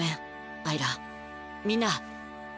アイラみんな。